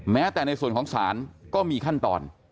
แม้แต่ในส่วนของศาลก็มีขั้นตอน